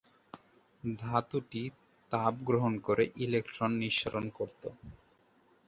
ধাতুটি তাপ গ্রহণ করে ইলেকট্রন নিঃসরণ করত।